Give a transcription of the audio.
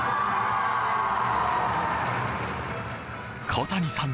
小谷さん